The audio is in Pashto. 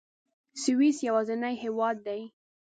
سویس یوازینی هېواد دی.